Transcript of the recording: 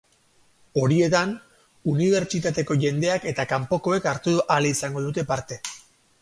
Horietan, unibertsitateko jendeak eta kanpokoek hartu ahal izango dute parte.